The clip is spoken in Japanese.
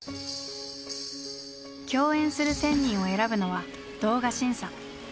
共演する１，０００人を選ぶのは動画審査。